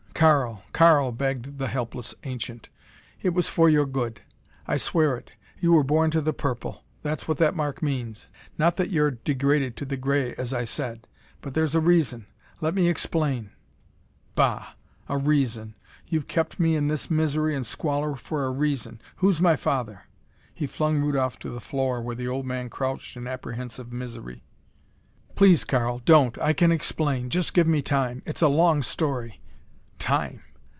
"Karl Karl," begged the helpless ancient, "it was for your good. I swear it. You were born to the purple. That's what that mark means not that you're degraded to the gray, as I said. But there's a reason. Let me explain." "Bah! A reason! You've kept me in this misery and squalor for a reason! Who's my father?" He flung Rudolph to the floor, where the old man crouched in apprehensive misery. "Please Karl don't! I can explain. Just give me time. It's a long story." "Time!